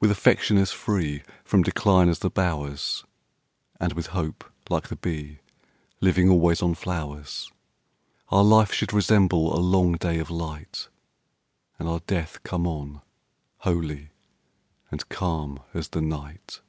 With affection as free From decline as the bowers, And, with hope, like the bee, Living always on flowers, Our life should resemble a long day of light, And our death come on, holy and calm as the night.